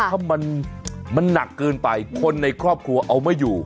ถ้ามันหนักเกินไปคนในครอบครัวเอาไม่อยู่